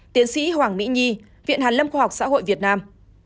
tiến sĩ hoàng mỹ nhi viện hàn lâm khoa học xã hội việt nam